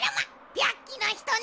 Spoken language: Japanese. びゃっきのひとね。